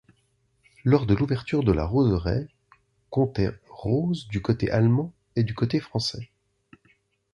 Lors de l'ouverture la roseraie comptait roses du côté allemand et du côté français.